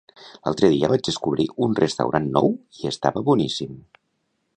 L'altre dia vaig descobrir un restaurant nou i estava boníssim.